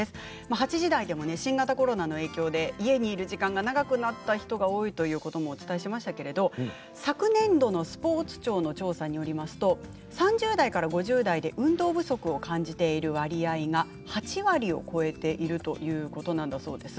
８時台でも新型コロナの影響で家にいる時間が長くなった人が多いということをお伝えしましたけれど昨年度のスポーツ庁の調査によりますと３０代から５０代で運動不足を感じている割合が８割を超えています。